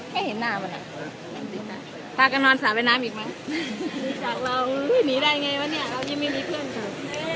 ไม่เห็นหน้ามากพากันนอนสาวแบบน้ำอีกไหมดูจากเราหนีได้ไงวะเนี้ยเรายังไม่มีเพื่อนค่ะ